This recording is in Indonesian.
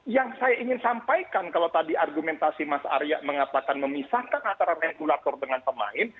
yang saya ingin sampaikan kalau tadi argumentasi mas arya mengatakan memisahkan antara regulator dengan pemain